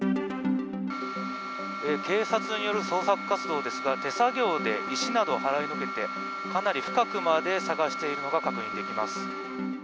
警察による捜索活動ですが、手作業で石などを払いのけて、かなり深くまで捜しているのが確認できます。